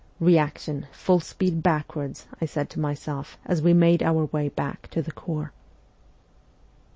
' Reaction, full speed backwards,' I said to myself as we made our way back to the corps.